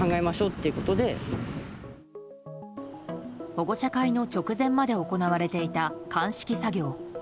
保護者会の直前まで行われていた鑑識作業。